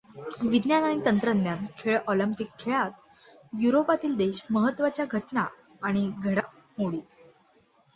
विज्ञान आणि तंत्रज्ञान खेळ ऑलिंपिक खेळात युरोपातील देश महत्त्वाच्या घटना आणि घडामोडी